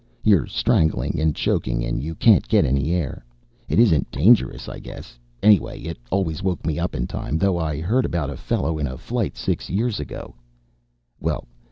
You're strangling and choking and you can't get any air? It isn't dangerous, I guess. Anyway, it always woke me up in time. Though I heard about a fellow in a flight six years ago "Well.